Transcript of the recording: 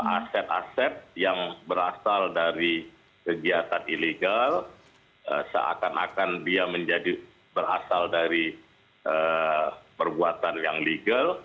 aset aset yang berasal dari kegiatan ilegal seakan akan dia menjadi berasal dari perbuatan yang legal